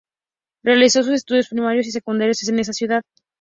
Realizó sus estudios primarios y secundarios en esa ciudad.